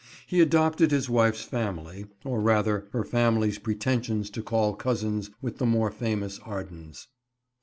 He adopted his wife's family, or rather, her family's pretensions to call cousins with the more famous Ardens.